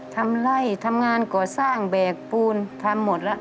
ทำไล่ทำงานก่อสร้างแบกปูนทำหมดแล้ว